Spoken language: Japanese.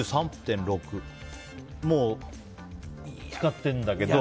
もう使ってるんだけど。